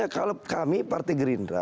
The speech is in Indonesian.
kalau kami partai gerindra